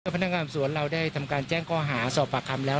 พนักงานสวนเราได้ทำการแจ้งข้อหาสอบปากคำแล้ว